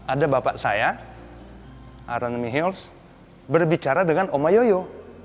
ada bapak saya aaron michels berbicara dengan oma yoyo